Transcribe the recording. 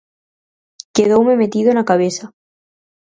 Quedoume metido na cabeza.